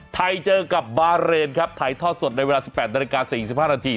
ไทยเจอกับบาเรนครับถ่ายทอดสดในเวลา๑๘นาฬิกา๔๕นาที